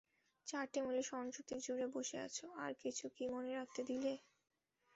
চারটিতে মিলে স্মরণশক্তি জুড়ে বসে আছ, আর কিছু কি মনে রাখতে দিলে?